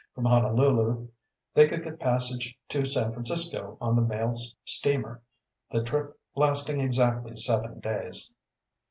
From Honolulu they could get passage to San Francisco on the mail steamer, the trip lasting exactly seven days.